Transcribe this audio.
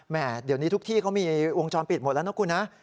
เดี๋ยวนี้ทุกที่เขามีวงจรปิดหมดแล้วนะคุณนะ